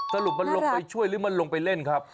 สรุปมันลงไปช่วยหรือมันลงไปเล่นครับ